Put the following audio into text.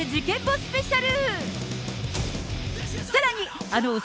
スペシャル。